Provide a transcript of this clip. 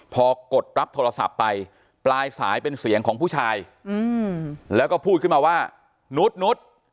พอกดรับโทรศัพท์ไปปลายสายเป็นเสียงของผู้ชายแล้วก็พูดขึ้นมาว่านุษย์นุษย์